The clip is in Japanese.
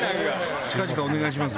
近々お願いします。